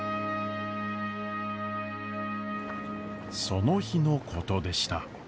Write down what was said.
その日のことでした。